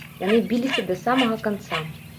Яны біліся да самага канца.